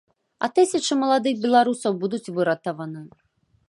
А тысячы маладых беларусаў будуць выратаваны.